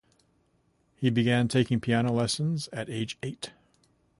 He began taking piano lessons at age eight.